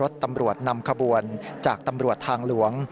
ตำรวจนำขบวนจากตำรวจทางหลวง